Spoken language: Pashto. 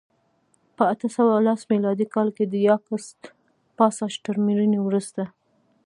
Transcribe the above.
په اته سوه لس میلادي کال کې د یاکس پاساج تر مړینې وروسته